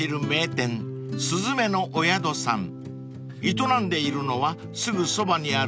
［営んでいるのはすぐ側にある］